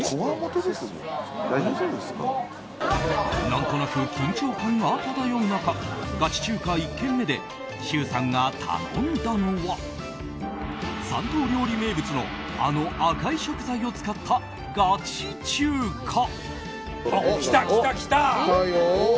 何となく緊張感が漂う中ガチ中華１軒目で周さんが頼んだのは山東料理名物のあの赤い食材を使ったガチ中華。